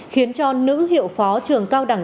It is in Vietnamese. khiến cho nữ hiệu phó trường cao đồng